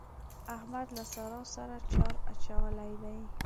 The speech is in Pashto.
احمد له سارا سره چار اچولی دی.